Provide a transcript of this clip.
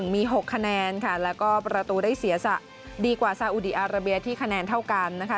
มี๖คะแนนค่ะแล้วก็ประตูได้เสียสะดีกว่าซาอุดีอาราเบียที่คะแนนเท่ากันนะคะ